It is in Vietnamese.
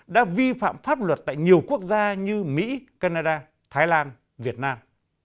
đã vi phạm pháp luật tại nhiều quốc gia như mỹ canada thái lan việt nam